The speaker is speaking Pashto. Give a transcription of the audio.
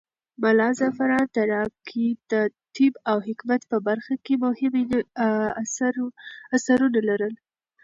ملا زعفران تره کى د طب او حکمت په برخه کې مهم اثرونه لرل.